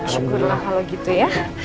syukurlah kalau gitu ya